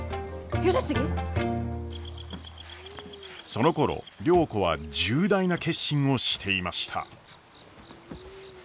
そのころ良子は重大な決心をしていました。